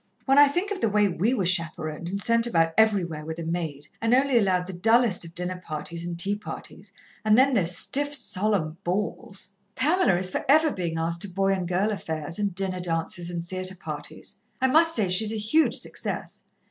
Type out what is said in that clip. "When I think of the way we were chaperoned, and sent about everywhere with a maid, and only allowed the dullest of dinner parties, and tea parties, and then those stiff, solemn balls! Pamela is for ever being asked to boy and girl affairs, and dinner dances and theatre parties I must say she's a huge success.